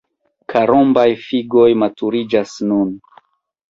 Karombaj figoj maturiĝas nun.